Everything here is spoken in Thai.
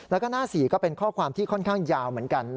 แล้วก็หน้า๔ก็เป็นข้อความที่ค่อนข้างยาวเหมือนกัน